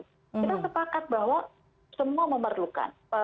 kita sepakat bahwa semua memerlukan